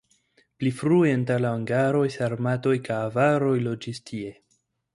Pli frue antaŭ la hungaroj sarmatoj kaj avaroj loĝis tie.